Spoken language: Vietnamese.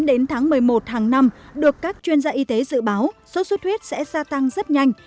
từ tháng một mươi một tháng năm được các chuyên gia y tế dự báo số xuất huyết sẽ gia tăng rất nhanh